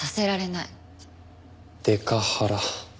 デカハラ。